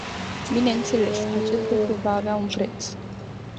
Bineînțeles, acest lucru va avea un preț.